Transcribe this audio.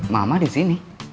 mama di sini